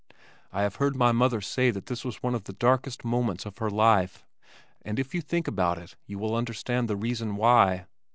I have heard my mother say that this was one of the darkest moments of her life and if you think about it you will understand the reason why.